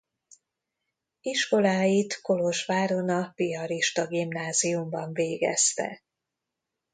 Iskoláit Kolozsváron a piarista gimnáziumban végezte.